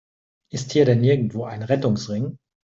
Ist hier denn nirgendwo ein Rettungsring?